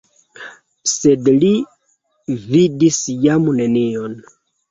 Sed li vidis jam nenion.